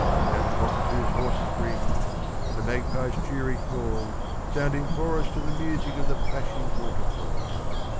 Now the cockatoo's hoarse screaming, and the magpie's cheery call Sound in chorus to the music of the plashy waterfall.